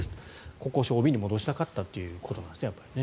国交省ＯＢに戻したかったということなんですね。